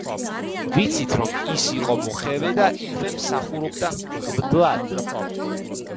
ვიცით, რომ ის იყო მოხევე და იქვე მსახურობდა მღვდლად.